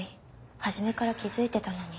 初めから気付いてたのに。